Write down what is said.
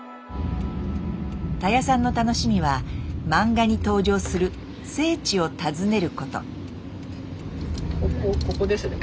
たやさんの楽しみは漫画に登場する「聖地」を訪ねること。